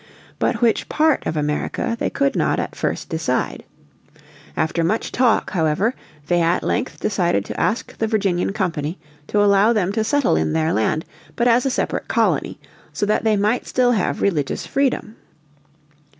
But which part of America they could not at first decide. After much talk however they at length decided to ask the Virginian Company to allow them to settle in their land, but as a separate colony, so that they might still have religious freedom.